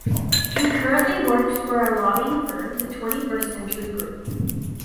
He currently works for a lobbying firm, the Twenty-First Century Group.